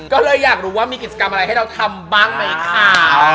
ก็เลยอยากรู้ว่ามีกิจกรรมอะไรให้เราทำบ้างไหมคะ